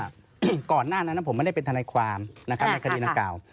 เพราะว่าก่อนหน้านั้นผมไม่ได้เป็นทันในความในคดีหน้าเก่า